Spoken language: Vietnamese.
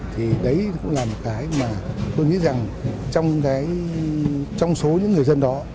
thì đấy cũng là một cái mà tôi nghĩ rằng trong số những người dân đó